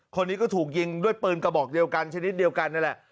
คนนี้ก็ถูกยิงด้วยปืนกระบอกเดียวกันชนิดเดียวกันนั่นแหละ